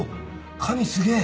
「神すげぇ！